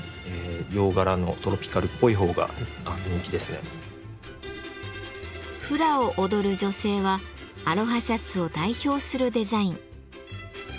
例えばこの辺の感じのフラを踊る女性はアロハシャツを代表するデザイン。